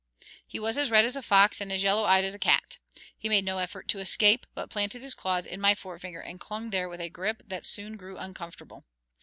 He was as red as a fox and as yellow eyed as a cat. He made no effort to escape, but planted his claws in my forefinger and clung there with a grip that soon grew uncomfortable.